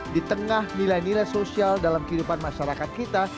di tengah nilai nilai sosial dalam kehidupan masyarakat kita